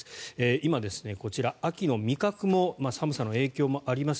今、こちら、秋の味覚も寒さの影響もあります